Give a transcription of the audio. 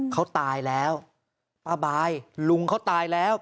เขาตายแล้วป้าบายลุงเขาตายแล้ว